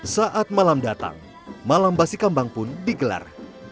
saat malam datang malam basi kambang pun digelar